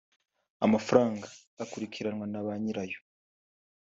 Amafaranga akurikiranwa na ba nyirayo